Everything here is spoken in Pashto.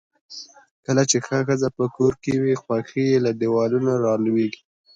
کله چې ښه ښځۀ پۀ کور کې وي، خؤښي له دیوالونو را لؤیږي.